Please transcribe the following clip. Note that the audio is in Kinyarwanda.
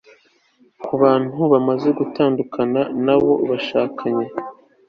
ku bantu bamaze gutandukana n'abo bashakanye